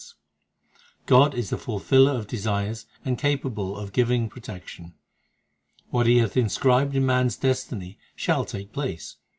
246 THE SIKH RELIGION God is the fulfiller of desires and capable of giving protection ; What He hath inscribed in man s destiny shall take place.